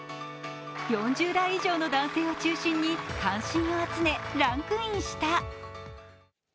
４０代以上の男性を中心に関心を集め、ランクインした。